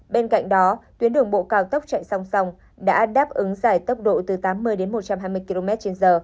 bên cạnh đó tuyến đường bộ cao tốc chạy song song đã đáp ứng giải tốc độ từ tám mươi một trăm hai mươi kmh